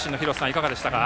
いかがでしたか？